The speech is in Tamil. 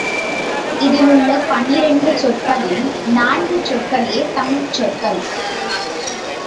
இதில் உள்ள பனிரண்டு சொற்களில் நான்கு சொற்களே தமிழ்ச் சொற்கள்.